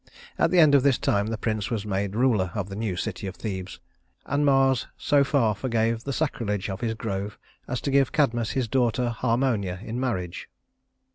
At the end of this time the prince was made ruler of the new city of Thebes, and Mars so far forgave the sacrilege of his grove as to give Cadmus his daughter Harmonia in marriage.